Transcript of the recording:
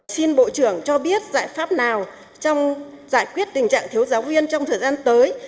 xin bộ trưởng cho biết giải pháp nào trong giải quyết tình trạng thiếu giáo viên trong thời gian tới